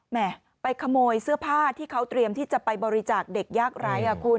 แม่ไปขโมยเสื้อผ้าที่เขาเตรียมที่จะไปบริจาคเด็กยากไร้อ่ะคุณ